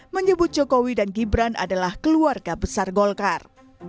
menyebut jokowi dan gibran adalah keluarga besar golkar